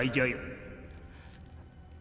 いい